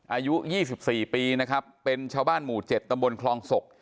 อายุยี่สิบสี่ปีนะครับเป็นชาวบ้านหมู่เจ็ดตำบลคลองศก